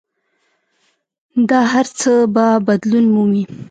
دا هر څه به بدلون مومي.